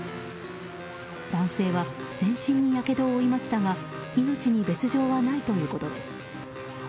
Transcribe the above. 男性は全身にやけどを負いましたが命に別条はないということです。